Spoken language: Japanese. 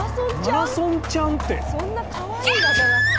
マラソンちゃんって。